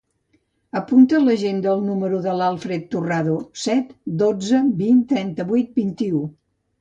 Apunta a l'agenda el número de l'Acfred Turrado: set, dotze, vint, trenta-vuit, vint-i-u.